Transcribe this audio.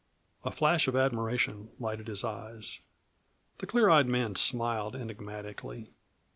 A flash of admiration lighted his eyes. The clear eyed man smiled enigmatically.